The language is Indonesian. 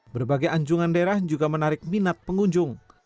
berbagai anjungan daerah juga menarik minat pengunjung